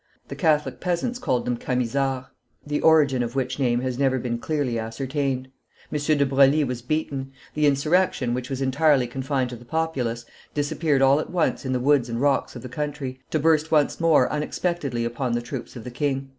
The Catholic peasants called them Camisards, the origin of which name has never been clearly ascertained. M. de Broglie was beaten; the insurrection, which was entirely confined to the populace, disappeared all at once in the woods and rocks of the country, to burst once more unexpectedly upon the troops of the king.